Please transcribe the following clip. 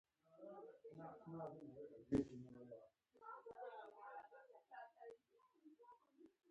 فاریاب د افغانانو ژوند اغېزمن کوي.